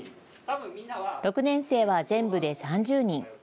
６年生は全部で３０人。